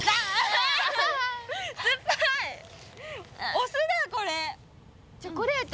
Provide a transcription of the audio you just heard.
お酢だこれ！